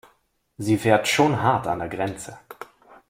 Sie fährt schon hart an der Grenze.